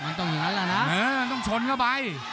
มันต้องอย่างไรล่ะนะเออมันต้องชนเข้าไป